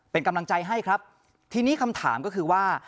เป็นกำลังใจให้ครับทีนี้คำถามก็คือว่า